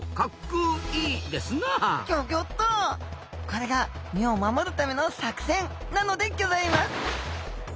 これが身を守るための作戦なのでぎょざいます。